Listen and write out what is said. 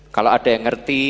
kalau ada yang ngerti